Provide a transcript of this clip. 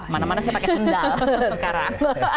mana mana saya pakai sendal sekarang